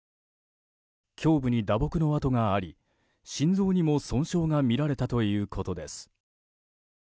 胸部に打撲の痕があり心臓にも損傷が見られたということです。